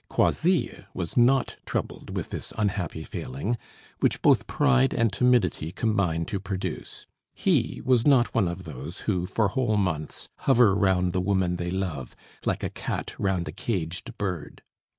Croisilles was not troubled with this unhappy failing, which both pride and timidity combine to produce; he was not one of those who, for whole months, hover round the woman they love, like a cat round a caged bird.